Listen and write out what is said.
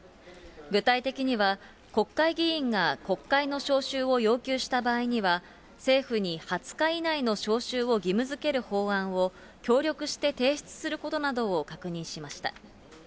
具体的には、国会議員が国会の召集を要求した場合には、政府に２０日以内の召集を義務づける法案を、協力して提出することなどを確認しました。